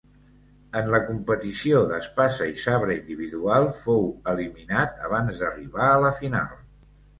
En la competició d'espasa i sabre individual fou eliminat abans d'arribar a la final.